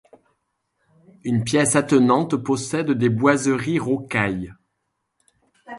Une pièce attenante possède des boiseries rocaille.